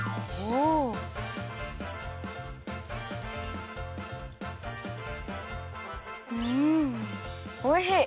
おいしい！